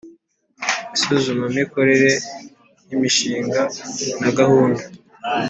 Isuzumamikorere ry imishinga na Gahunda